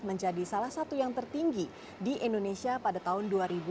menjadi salah satu yang tertinggi di indonesia pada tahun dua ribu dua puluh